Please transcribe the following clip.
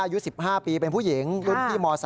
อายุ๑๕ปีเป็นผู้หญิงรุ่นพี่ม๓